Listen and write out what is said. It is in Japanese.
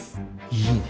いいね！